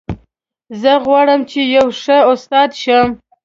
زه غواړم چې یو ښه استاد شم